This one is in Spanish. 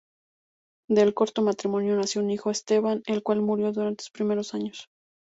Del corto matrimonio nació un hijo, Esteban, el cual murió durante sus primeros años.